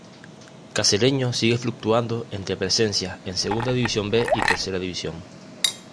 Cacereño sigue fluctuando entre presencias en Segunda División B y Tercera División.